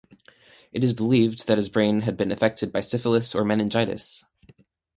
It is believed that his brain had been affected by syphilis or meningitis.